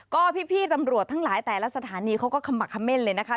ก็พี่ตำรวจทั้งหลายแต่ละสถานีเขาก็ขมักคำเม่นเลยนะคะ